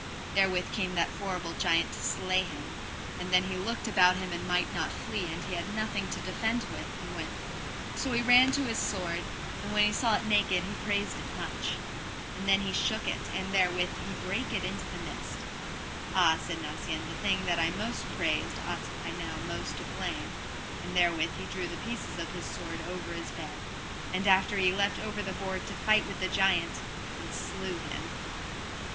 Therewith came that horrible giant to slay him; and then he looked about him and might not flee, and he had nothing to defend him with. So he ran to his sword, and when he saw it naked he praised it much, and then he shook it, and therewith he brake it in the midst. Ah, said Nacien, the thing that I most praised ought I now most to blame, and therewith he threw the pieces of his sword over his bed. And after he leapt over the board to fight with the giant, and slew him.